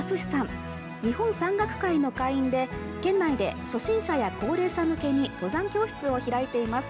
日本山岳会の会員で県内で初心者や高齢者向けに登山教室を開いています。